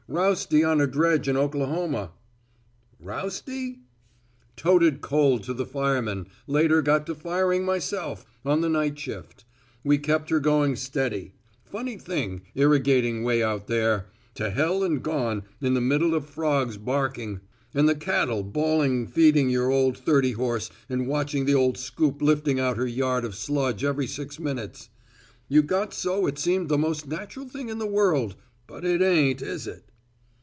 Rousty on a dredge in Oklahoma." "Rousty?" "Toted coal to the firemen, later got to firing myself on the night shift. We kept her going steady. Funny thing, irrigating way out there, t'hell an' gone, in the middle of the frogs barking and the cattle bawling feeding your old thirty horse and watching the old scoop lifting out her yard of sludge every six minutes. You got so it seemed the most natural thing in the world, but it ain't, is it!"